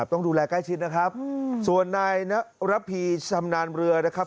ต้องดูแลใกล้ชิดนะครับส่วนนายนระพีชำนาญเรือนะครับ